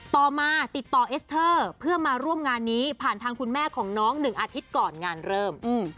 ต่อมาติดต่อเอสเตอร์เพื่อมาร่วมงานนี้ผ่านทางคุณแม่ของน้อง๑อาทิตย์ก่อนงานเริ่ม